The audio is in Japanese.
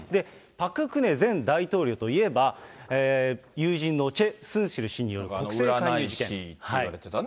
パク・クネ前大統領といえば、友人のチェ・スンシル氏による国政介入事件。